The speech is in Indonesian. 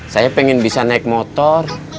saya pengen bisa naik motor